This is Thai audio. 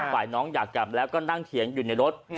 ฝ่ายน้องอยากกลับแล้วก็นั่งเถียงอยู่ในรถ